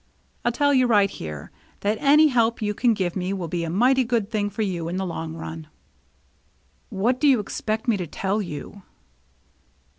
I'll tell you right here, that any help you can give me will be a mighty good thing for you in the long run." " What do you expect me to tell you